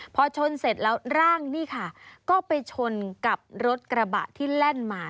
พอชนเสร็จแล้วร่างนี่ค่ะก็ไปชนกับรถกระบะที่แล่นมา